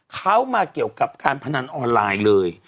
เขามาเกี่ยวกับการพนันออนไลน์เลย